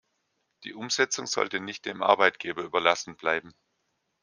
Die Umsetzung sollte nicht dem Arbeitgeber überlassen bleiben.